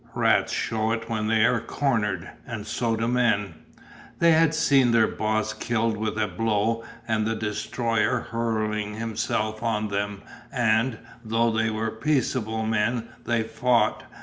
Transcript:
Rats shew it when they are cornered, and so do men. They had seen their boss killed with a blow and the destroyer hurling himself on them and, though they were peaceable men, they fought.